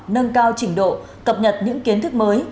nâng cao trình độ cập nhật những kiến thức mới